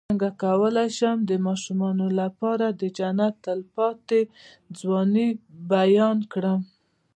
څنګه کولی شم د ماشومانو لپاره د جنت د تل پاتې ځوانۍ بیان کړم